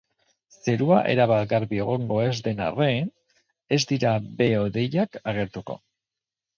Zerua erabat garbi egongo ez den arren, ez dira behe-hodeiak agertuko.